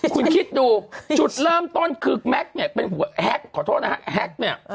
คุณคิดดูจุดเริ่มต้นคือแม็กซ์เนี่ยเป็นหัวแฮ็กขอโทษนะฮะแฮ็กเนี่ย